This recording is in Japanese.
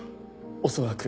恐らく。